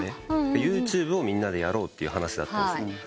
ＹｏｕＴｕｂｅをみんなでやろうって話だったんです。